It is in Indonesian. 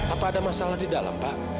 apa ada masalah di dalam pak